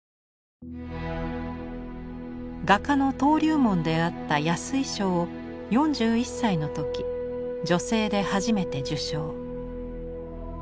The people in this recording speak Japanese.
画家の登竜門であった「安井賞」を４１歳のとき女性で初めて受賞。